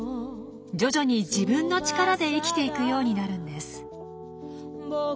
徐々に自分の力で生きていくようになるんです。